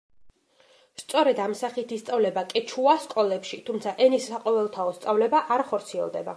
სწორედ ამ სახით ისწავლება კეჩუა სკოლებში, თუმცა ენის საყოველთაო სწავლება არ ხორციელდება.